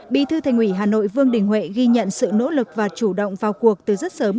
bí thư thành ủy hà nội vương đình huệ ghi nhận sự nỗ lực và chủ động vào cuộc từ rất sớm